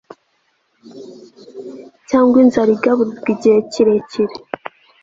cyangwa inzara igaburirwa igihe kirekire